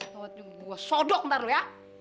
sot juga gua sodok ntar lu ya